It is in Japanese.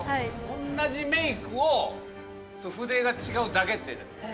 同じメイクを筆が違うだけって。